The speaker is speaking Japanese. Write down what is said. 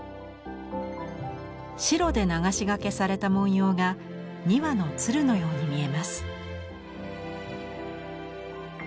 白で流しがけされた文様が２羽の鶴のように見えます。